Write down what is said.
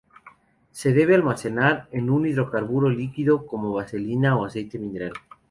Se debe almacenar en un hidrocarburo líquido como vaselina o aceite mineral.